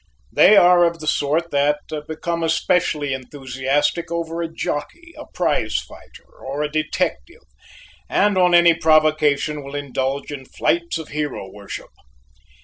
They are of the sort that become especially enthusiastic over a jockey, a prize fighter, or a detective, and on any provocation will indulge in flights of hero worship.